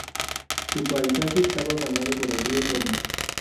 Su paisaje está bañado por el río Tormes.